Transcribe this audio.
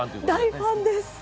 大ファンです！